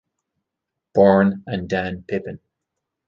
Born and Dan Pippin.